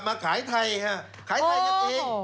มาขายไทยฮะขายไทยกันเอง